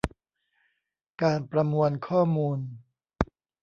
การประมวลข้อมูล